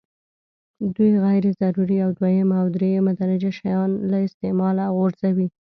دوی غیر ضروري او دویمه او درېمه درجه شیان له استعماله غورځوي.